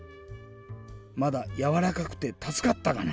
まだやわらかくてたすかったがな。